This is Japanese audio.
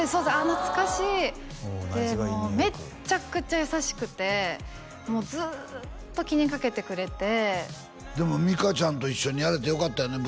懐かしいでもうめちゃくちゃ優しくてもうずっと気にかけてくれてでも実花ちゃんと一緒にやれてよかったよね